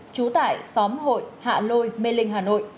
trú tại xóm hội hạ lôi mê linh hà nội